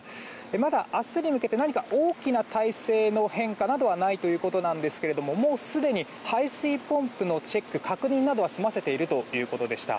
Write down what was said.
まだ明日に向けて何か大きな態勢の変化などはないということなんですがもうすでに排水ポンプのチェック確認などは済ませているということでした。